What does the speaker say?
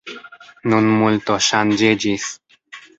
Nun multo ŝanĝiĝis.